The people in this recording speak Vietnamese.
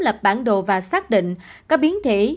lập bản đồ và xác định các biến thể